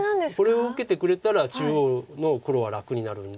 これを受けてくれたら中央の黒は楽になるんで。